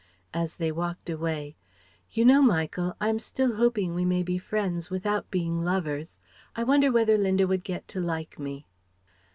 As they walked away: "You know, Michael, I'm still hoping we may be friends without being lovers. I wonder whether Linda would get to like me?"